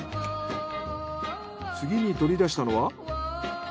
次に取り出したのは。